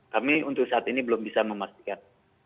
kami untuk saat ini belum bisa memastikan